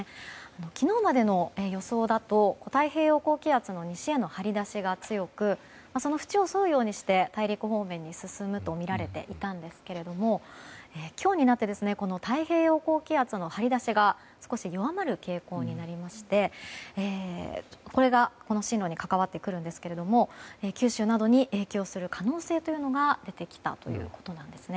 昨日までの予想だと太平洋高気圧の西への張り出しが強くその縁をそうようにして大陸方面に進むとみられていたんですけども今日になって太平洋高気圧の張り出しが少し弱まる傾向になってそれがこの進路に関わってくるんですが九州などに影響する可能性が出てきたということです。